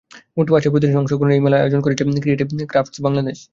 মোট পাঁচটি প্রতিষ্ঠানের অংশগ্রহণে এই মেলার আয়োজন করেছে ক্রিয়েটিভ ক্রাফটস বাংলাদেশ।